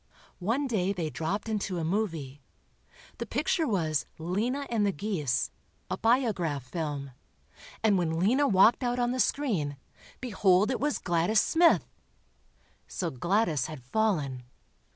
One day they dropped into a "movie." The picture was "Lena and the Geese," a Biograph film, and when Lena walked out on the screen, behold it was Gladys Smith! So Gladys had fallen.